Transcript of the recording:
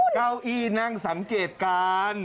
เก้าอี้นั่งสังเกตการ